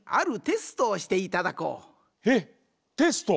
えっテスト？